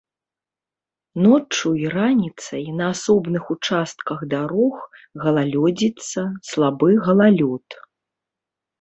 Ноччу і раніцай на асобных участках дарог галалёдзіца, слабы галалёд.